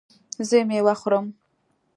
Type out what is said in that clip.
زه میوه خورم